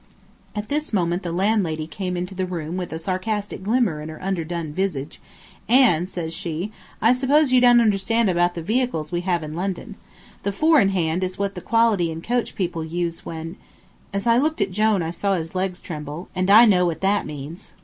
At this moment the landlady came into the room with a sarcastic glimmer on her underdone visage, and, says she, "I suppose you don't understand about the vehicles we have in London. The four in hand is what the quality and coach people use when " As I looked at Jone I saw his legs tremble, and I know what that means.